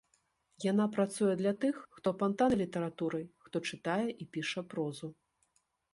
Яна працуе для тых, хто апантаны літаратурай, хто чытае і піша прозу.